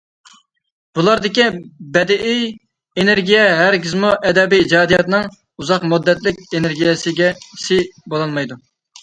بۇلاردىكى بەدىئىي ئېنېرگىيە ھەرگىزمۇ ئەدەبىي ئىجادىيەتنىڭ ئۇزاق مۇددەتلىك ئېنېرگىيەسى بولالمايدۇ.